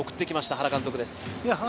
原監督です。